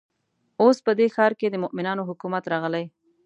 اوس په دې ښار کې د مؤمنانو حکومت راغلی.